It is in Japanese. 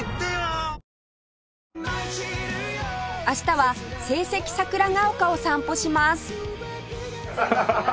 明日は聖蹟桜ヶ丘を散歩します